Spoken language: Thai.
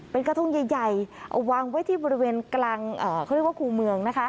เป็นกระทงใหญ่เอาวางไว้ที่บริเวณกลางเขาเรียกว่าคู่เมืองนะคะ